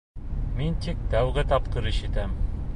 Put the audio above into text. Мин тик тәүге тапҡыр ишетәм.